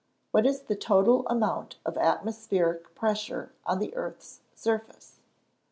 _What is the total amount of atmospheric pressure on the earth's surface?